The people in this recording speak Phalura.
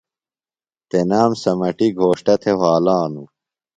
تنام سمَٹیۡ گھوݜتہ تھےۡ وھالانوۡ۔